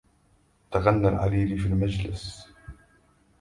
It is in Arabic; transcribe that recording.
تغنى العليلي في مجلس